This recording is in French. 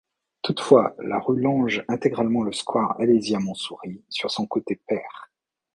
Toutefois, la rue longe intégralement le square Alésia-Montsouris sur son côté pair.